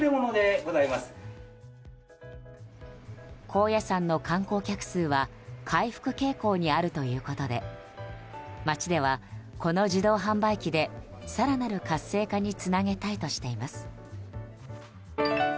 高野山の観光客数は回復傾向にあるということで町では、この自動販売機で更なる活性化につなげたいとしています。